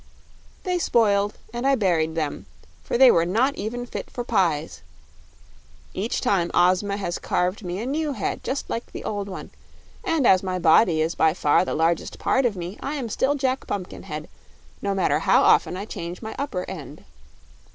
"They spoiled and I buried them, for they were not even fit for pies. Each time Ozma has carved me a new head just like the old one, and as my body is by far the largest part of me, I am still Jack Pumpkinhead, no matter how often I change my upper end.